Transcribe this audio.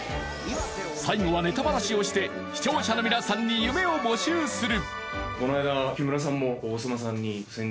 最後はネタバラシをして視聴者の皆さんに夢を募集する